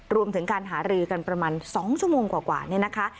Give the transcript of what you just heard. รวมถึงการหารือกันประมาณ๒ชั่วโมงกว่าเนี่ยนะคะ